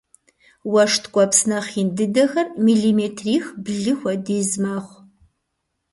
Уэшх ткӏуэпс нэхъ ин дыдэхэр миллиметрих-блы хуэдиз мэхъу.